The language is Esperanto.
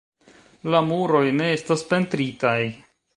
La muroj ne estas pentritaj.